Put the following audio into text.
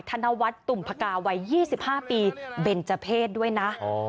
ธนวัฒน์ตุ่มพกาวัย๒๕ปีเบนเจอร์เพศด้วยนะ